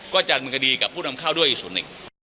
ก็จัดมันกดีกับผู้นำเข้าด้วยอีกสุดหนึ่ง